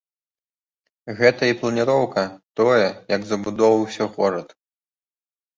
Гэта і планіроўка, тое, як забудоўваўся горад.